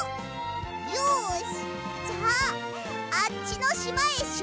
よしじゃああっちのしまへしゅっぱつだ！